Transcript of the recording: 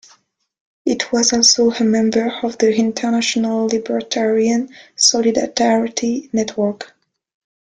It was also a member of the International Libertarian Solidarity network.